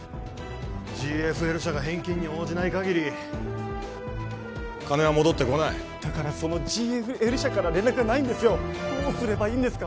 ＧＦＬ社が返金に応じないかぎり金は戻ってこないだからそのＧＦＬ社から連絡がないんですよどうすればいいんですか？